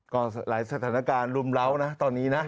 ก็หลายสถานการณ์รุมเล้านะตอนนี้นะ